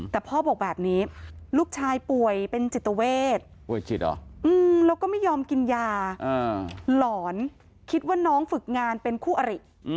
แต่พ่อบอกแบบนี้ลูกชายป่วยเป็นจิตเวทแล้วก็ไม่ยอมกินยาหลอนคิดว่าน้องฝึกงานเป็นคู่อริ